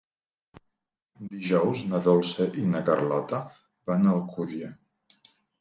Dijous na Dolça i na Carlota van a Alcúdia.